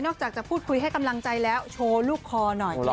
จากจะพูดคุยให้กำลังใจแล้วโชว์ลูกคอหน่อย